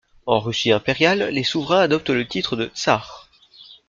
En Russie impériale, les souverains adoptent le titre de tsar.